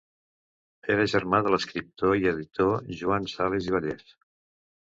Era germà de l'escriptor i editor Joan Sales i Vallès.